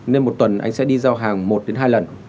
nên một tuần anh sẽ đi giao hàng một đến hai lần